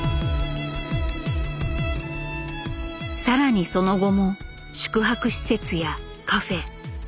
更にその後も宿泊施設やカフェ。